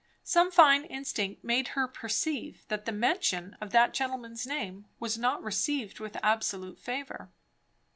Some fine instinct made her perceive that the mention of that gentleman's name was not received with absolute favour.